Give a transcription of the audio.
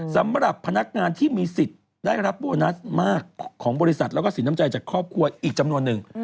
สำหรับพนักงานที่มีสิทธิ์ได้รับโบนัสมากของบริษัทแล้วก็สินน้ำใจจากครอบครัวอีกจำนวนหนึ่ง